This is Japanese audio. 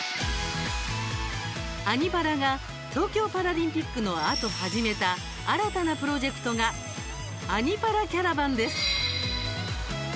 「アニ×パラ」が東京パラリンピックのあと始めた新たなプロジェクトが「アニ×パラキャラバン」です。